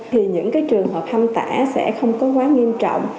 thì những cái trường hợp ham tả sẽ không có quá nghiêm trọng